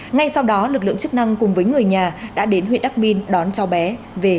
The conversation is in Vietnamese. ngay sau đó lực lượng chức năng cùng với người nhà đã đến huyện đắc minh đón cháu bé về